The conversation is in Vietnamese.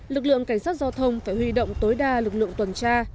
lực lượng cảnh sát giao thông phải huy động tối đa lực lượng tuần tra